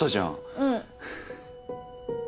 うん。